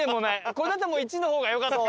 これだったら「１」の方がよかった。